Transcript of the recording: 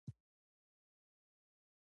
هغه قوه چې جسمونه ځمکې خواته راکاږي جاذبه ده.